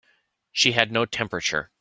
She had no temperature.